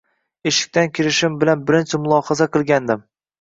Eshikdan kirishim bilan birinchi mulohaza qilgandim.